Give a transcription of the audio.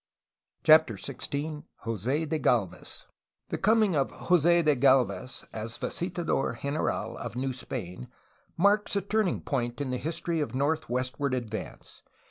CHAPTER XVI JOSE DE GALVEZ The coming of Jos6 de Gdlvez as visitador general ^ of New Spain marks a turning point in the history of northwestward advance.